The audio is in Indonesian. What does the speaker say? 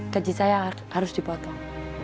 gaji saya harus dipotong